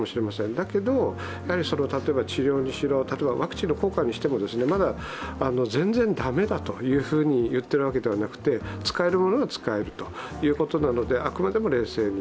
だけど、治療にしろ、ワクチンの効果にしても、まだ、全然駄目だと言っているわけではなくて使えるものは使えるということなので、あくまでも冷静に。